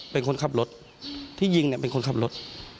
เป็นคนขับรถที่ยิงเนี่ยเป็นคนขับรถ